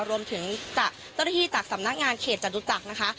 รวมถึงจากเจ้าหน้าที่จากสำนักงานเขตจตุจักรนะคะ